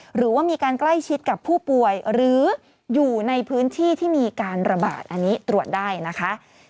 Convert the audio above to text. หรือว่ามีการใกล้ชิดกับผู้ป่วยหรืออยู่ในพื้นที่ที่มีการระบาดอันนี้ตรวจได้นะคะ